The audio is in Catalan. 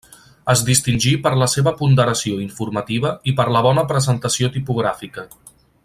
Es distingí per la seva ponderació informativa i per la bona presentació tipogràfica.